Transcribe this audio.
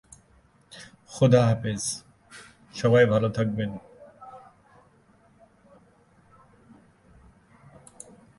আর এতেই সবার মিলনে গল্পের পরিসমাপ্তি ঘটে।